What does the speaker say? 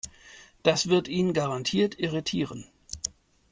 Das wird ihn garantiert irritieren.